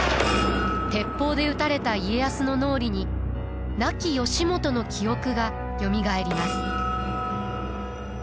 鉄砲で撃たれた家康の脳裏に亡き義元の記憶がよみがえります。